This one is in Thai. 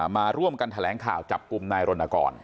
มาร่วมกันแถลงข่าวจับกลุ่มนายรณกร